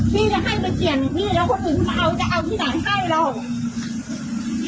พี่จะให้ไปเปลี่ยนของพี่แล้วคนอื่นมาเอาจะเอาที่สั่งให้หรอก